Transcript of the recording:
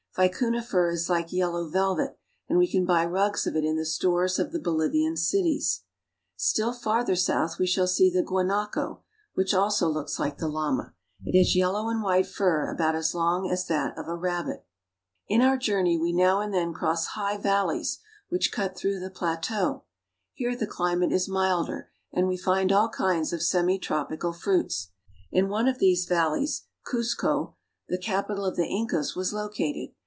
Vicuna fur is like yellow velvet, and we can buy rugs of it in the stores of the Bolivian cities. Still ON THE ROOF OF SOUTH AMERICA. n farther south we shall see the guanaco, which also looks Hke the llama. It has yellow and white fur about as long as that of a rabbit. In our journey we now and then cross high val leys which cut through the pla teau. Here the cHmate is milder, and we find all kinds of semi tropical fruits. In one of these valleys Cuzco (koos'k5), the capital of the In cas, was located.